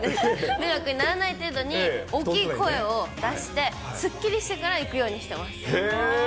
迷惑にならない程度に、大きい声を出して、すっきりしてから行くへー！